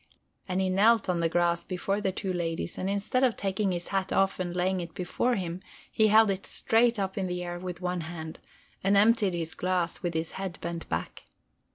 And he knelt on the grass before the two ladies, and instead of taking his hat off and laying it before him he held it straight up in the air with one hand, and emptied his glass with his head bent back.